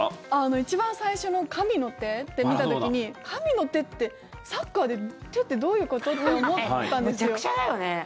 一番最初の神の手って見た時に神の手って、サッカーで手ってどういうこと？ってめちゃくちゃだよね。